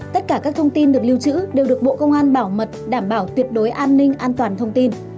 tất cả các thông tin được lưu trữ đều được bộ công an bảo mật đảm bảo tuyệt đối an ninh an toàn thông tin